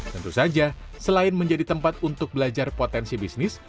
tentu saja selain menjadi tempat untuk belajar potensi bisnis